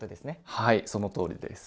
はいそのとおりです。